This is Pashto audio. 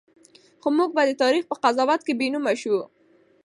خو موږ به د تاریخ په قضاوت کې بېنومه شو.